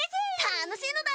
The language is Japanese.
たのしいのだ！